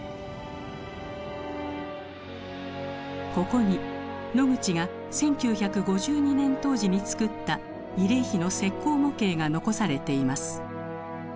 ここにノグチが１９５２年当時に作った慰霊碑の石こう模型が残されています。